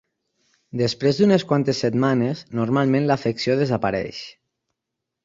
Després d'unes quantes setmanes, normalment l'afecció desapareix.